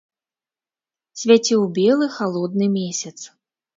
Свяціў белы, халодны месяц.